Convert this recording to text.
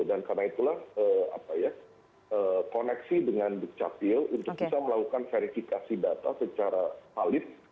dan karena itulah koneksi dengan bukcapil untuk bisa melakukan verifikasi data secara palit